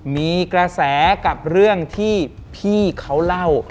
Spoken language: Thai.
มีกระแสกับเรื่องที่พี่เขาเล่า